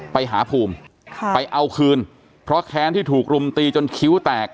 ไปหาภูมิไปเอาคืนเพราะแค้นที่ถูกรุมตีจนคิ้วแตก